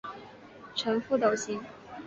呈覆斗形。